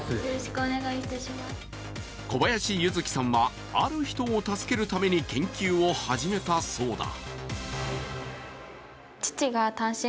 小林弓月さんはある人を助けるために研究を始めたそうだ。